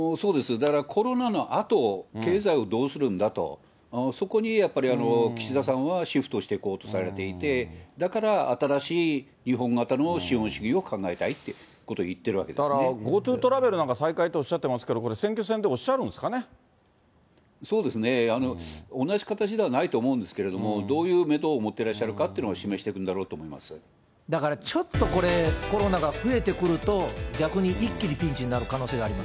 だからコロナのあと、経済をどうするんだと、そこにやっぱり岸田さんはシフトしていこうとされていて、だから新しい日本型の資本主義を考えたいってことを言っているわだから、ＧｏＴｏトラベルなんか再開っておっしゃってますけど、これ、選挙戦でおっしゃるそうですね、同じ形ではないと思うんですけれども、どういうメドを持ってらっしゃるかっていうのを示していくんだろだからちょっとこれ、コロナが増えてくると、逆に一気にピンチになる可能性があります。